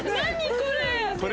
これ。